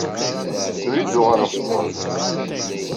Tura i d-uɣaleɣ seg uɣerbaz.